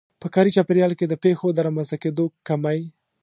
په کاري چاپېريال کې د پېښو د رامنځته کېدو کمی.